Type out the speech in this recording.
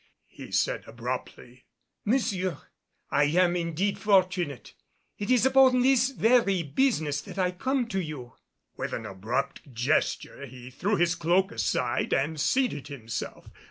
he said abruptly. "Monsieur, I am indeed fortunate. It is upon this very business that I am come to you." With an abrupt gesture he threw his cloak aside and seated himself.